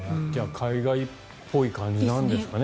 海外っぽい感じなんですね